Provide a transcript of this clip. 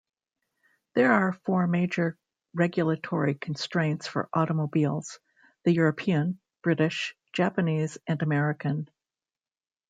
There are four major regulatory constraints for automobiles: the European, British, Japanese, and American.